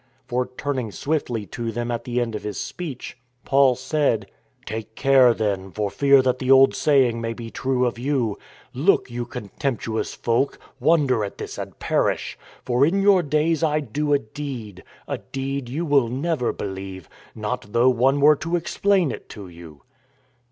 For turning swiftly to them at the end of his speech, Paul said: " Take care, then, for fear that the old saying may be true of you —"' Look, you contemptuous folk, wonder at this and perish. For in your days I do a deed, A deed you will never believe, Not though one were to explain it to you.'